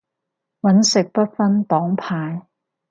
搵食不分黨派